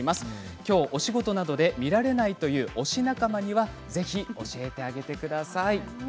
きょうお仕事などで見られないという推し仲間にはぜひ教えてあげてください。